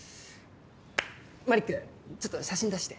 マリックちょっと写真出して。